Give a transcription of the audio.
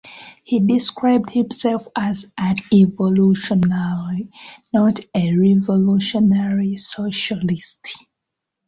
He described himself as an evolutionary, not a revolutionary, socialist.